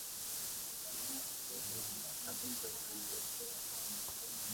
aah huenda ikawa haitakuwa rahisi kwa hivyo tunasubiri tuone kweli kaka